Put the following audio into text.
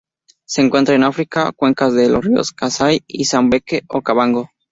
Se encuentran en África: cuencas de los ríos Kasai y Zambeze-Okavango.